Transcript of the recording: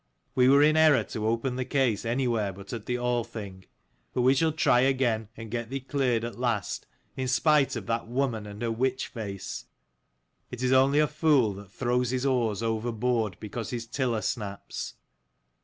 We were in error to open the case anywhere but at the Althing ; but we shall try again and get thee cleared at last, in spite of that woman and her witch face. It is only a fool that throws his oars overboard because his tiller snaps.